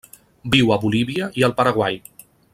Viu a Bolívia i el Paraguai.